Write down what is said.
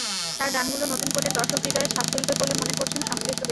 তাঁর গানগুলো নতুন করে দর্শকহৃদয়ে ছাপ ফেলবে বলে মনে করছেন সংশ্লিষ্ট ব্যক্তিরা।